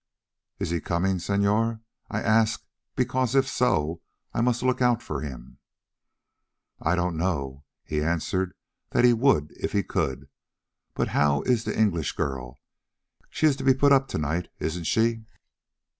"Is he coming, senor? I ask because, if so, I must look out for him." "I don't know: he answered that he would if he could. But how is the English girl? She is to be put up to night, isn't she?"